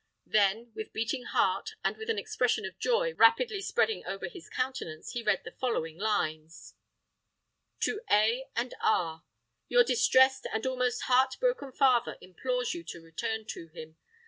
Then, with beating heart and with an expression of joy rapidly spreading itself over his countenance, he read the following lines:— "TO A. AND R.—Your distressed and almost heart broken father implores you to return to him.